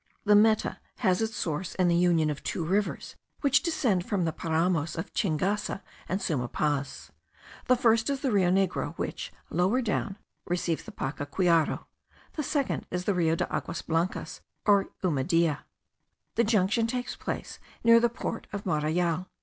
The Meta has its source in the union of two rivers which descend from the paramos of Chingasa and Suma Paz. The first is the Rio Negro, which, lower down, receives the Pachaquiaro; the second is the Rio de Aguas Blancas, or Umadea. The junction takes place near the port of Marayal.